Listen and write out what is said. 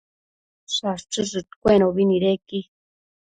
Shachëshëdcuenobi nidequi